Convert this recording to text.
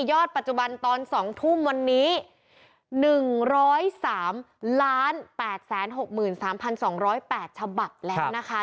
ปัจจุบันตอน๒ทุ่มวันนี้๑๐๓๘๖๓๒๐๘ฉบับแล้วนะคะ